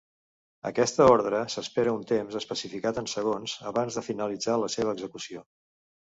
Aquesta ordre s'espera un temps especificat en segons abans de finalitzar la seva execució.